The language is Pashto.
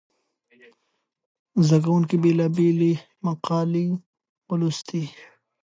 زده کوونکو بېلابېلې مقالې ولوستې.